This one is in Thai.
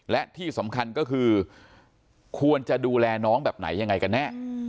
และที่สำคัญก็คือควรจะดูแลน้องแบบไหนยังไงกันแน่